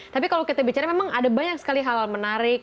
tapi kalau kita bicara memang ada banyak sekali hal menarik